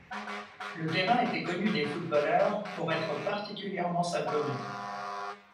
Le terrain était connu des footballeurs pour être particulièrement sablonneux.